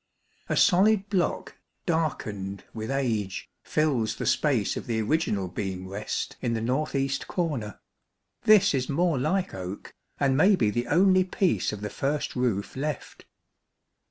A solid block, darkened with age, fills the space of the original beam rest in the north east corner, this is more like oak, and may be the only piece of the first roof left.